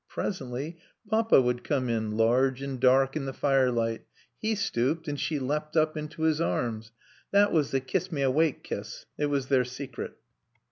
Presently Papa would come in, large and dark in the firelight. He stooped and she leapt up into his arms. That was the kiss me awake kiss; it was their secret.